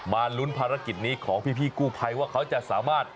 มาลุ้นภารกิจนี้ของพี่กู้ภัยว่าเขาจะสามารถ